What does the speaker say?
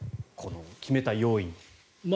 決めた要因。